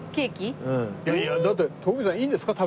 いやいやだって徳光さんいいんですか？